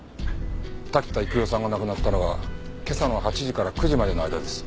滝田育代さんが亡くなったのは今朝の８時から９時までの間です。